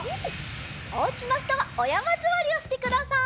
おうちのひとはおやまずわりをしてください。